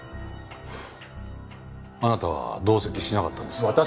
あなたは同席しなかったんですか？